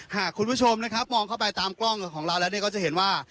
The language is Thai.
หากคุณผู้ชมนะครับมองเข้าไปตามกล้องของเราแล้วเนี่ยก็จะเห็นว่า